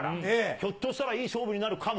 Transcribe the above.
ひょっとしたらいい勝負になるかも。